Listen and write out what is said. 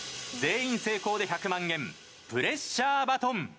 全員成功で１００万円プレッシャーバトン。